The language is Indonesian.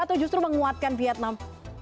atau justru menguatkan vietnam